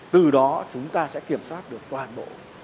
từ đó chúng ta sẽ kiểm soát được toàn bộ